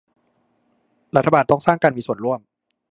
รัฐบาลต้องสร้างการมีส่วนร่วม